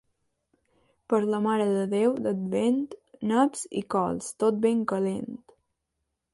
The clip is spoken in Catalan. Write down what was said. Per la Mare de Déu d'Advent, naps i cols, tot ben calent.